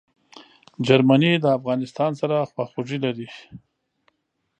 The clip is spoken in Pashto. جرمني د افغانستان سره خواخوږي لري.